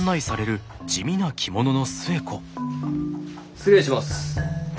失礼します。